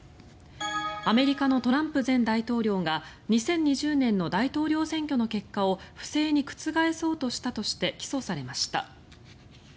アメリカのトランプ前大統領が２０２０年の大統領選挙の結果を不正に覆そうとしたとして起訴されました。